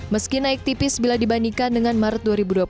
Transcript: meski naik tipis bila dibandingkan dengan maret dua ribu dua puluh